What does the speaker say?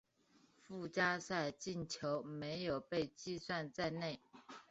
附加赛进球没有被计算在内。